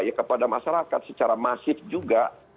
ya kepada masyarakat secara masif juga